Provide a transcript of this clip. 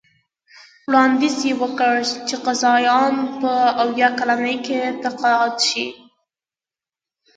وړاندیز یې وکړ چې قاضیان په اویا کلنۍ کې تقاعد شي.